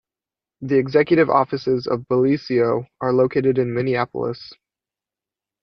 The executive offices of Bellisio are located in Minneapolis.